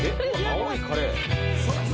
青いカレー。